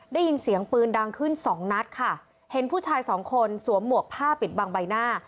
ได้ยินเสียงปืนดังขึ้นสองนัดค่ะเห็นผู้ชายสองคนสวมหมวกผ้าปิดบังใบหน้า